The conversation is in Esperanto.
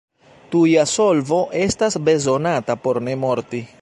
Tuja solvo estas bezonata por ne morti.